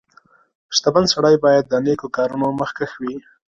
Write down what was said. • شتمن سړی باید د نیکو کارونو مخکښ وي.